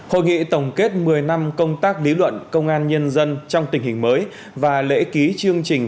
hội nghị tổng kết một mươi năm công tác lý luận công an nhân dân trong tình hình mới và lễ ký chương trình